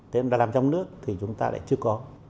thế mà làm trong nước thì chúng ta lại chưa có